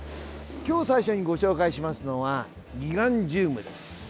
今日、最初にご紹介しますのはギガンチウムです。